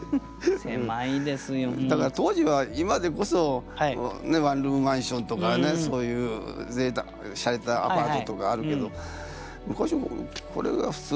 だから当時は今でこそワンルームマンションとかねそういうしゃれたアパートとかあるけど昔はこれが普通だったんじゃないか？